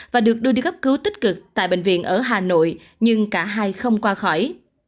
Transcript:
và được đưa đi gấp cứu tích cực tại bệnh viện ở hà nội nhưng cả hai không qua khỏi